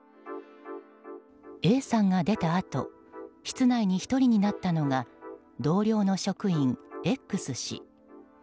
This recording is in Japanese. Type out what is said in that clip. Ａさんが出たあと室内に１人になったのが同僚の職員、Ｘ氏。